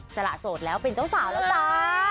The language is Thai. จร้าโสดแล้วอีกหนึ่ง